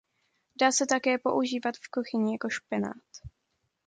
Dá se také používat v kuchyni jako špenát.